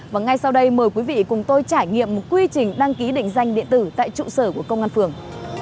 và ngay sau đây mời quý vị cùng tôi trải nghiệm một quy trình đăng ký định danh điện tử tại trụ sở của công an phường